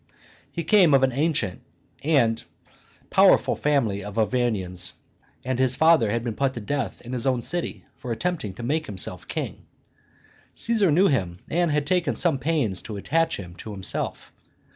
He came of an ancient and powerful family of Arvernians, and his father had been put to death in his own city for attempting to make himself king. Caesar knew him, and had taken some pains to attach him to himself.